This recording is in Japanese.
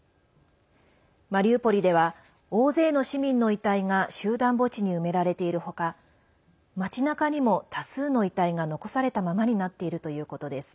マリウポリでは大勢の市民の遺体が集団墓地に埋められているほか町なかにも多数の遺体が残されたままになっているということです。